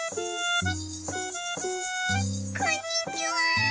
こんにちは！